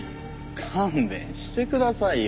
勘弁してくださいよ。